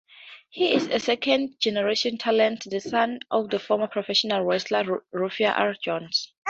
He is a second-generation talent, the son of former professional wrestler Rufus R. Jones.